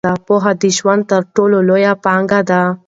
پوهه د ژوند تر ټولو لویه پانګه ده.